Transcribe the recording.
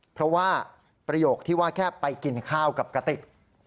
เพราะว่าประโยคที่ว่าแค่ไปกินข้าวกับกติก